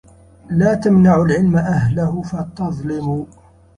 لَا تَمْنَعُوا الْعِلْمَ أَهْلَهُ فَتَظْلِمُوا